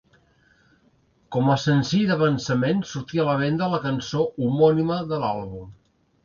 Com a senzill d'avançament sortí a la venda la cançó homònima de l'àlbum.